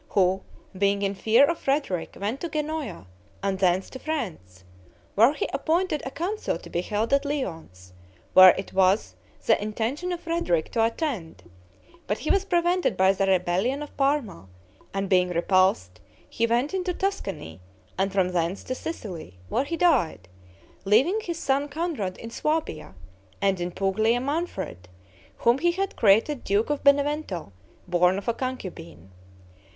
who, being in fear of Frederick, went to Genoa, and thence to France, where he appointed a council to be held at Lyons, where it was the intention of Frederick to attend, but he was prevented by the rebellion of Parma: and, being repulsed, he went into Tuscany, and from thence to Sicily, where he died, leaving his son Conrad in Suabia; and in Puglia, Manfred, whom he had created duke of Benevento, born of a concubine.